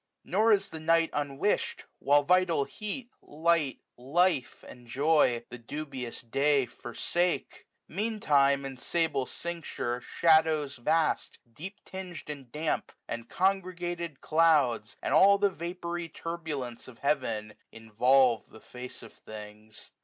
Nor is the night unwish'd j while vital heat. Light, life, and joy, the dubious day forsake. Mean time, in sable cincture, shadows vast, Deep ting'd and damp, and congregated clouds, ^5 And all the vapoury turbulence of heaven. Involve the face of things.